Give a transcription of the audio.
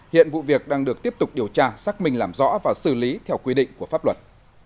hiện vụ việc đang được tiếp tục điều tra xác minh làm rõ và xử lý theo quy định của pháp luật